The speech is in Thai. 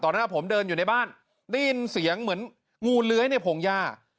หน้าผมเดินอยู่ในบ้านได้ยินเสียงเหมือนงูเลื้อยในพงหญ้า